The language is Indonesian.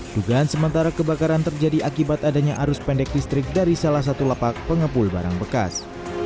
dugaan sementara kebakaran terjadi akibat adanya arus pendek listrik dari salah satu lapak pengepul barang bekas